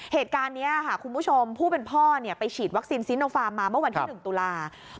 เหตุการณ์นี้ค่ะคุณผู้ชมผู้เป็นพ่อไปฉีดวัคซีนซีโนฟาร์มมาเมื่อวันที่๑ตุลาคม